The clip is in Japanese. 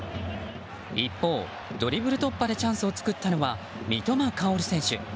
一方、ドリブル突破でチャンスを作ったのは三笘薫選手。